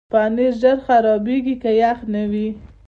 پنېر ژر خرابېږي که یخ نه وي.